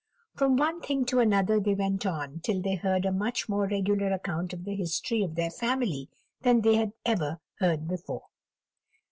From one thing to another they went on till they heard a much more regular account of the history of their family than they had ever heard before.